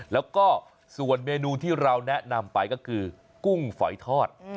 แล้วก็ส่วนเมนูที่เราแนะนำไปก็คือกุ้งฝอยทอด